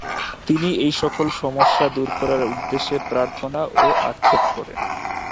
তিনি এইসকল সমস্যা দূর করার উদ্দেশ্যে প্রার্থনা ও আক্ষেপ করেন।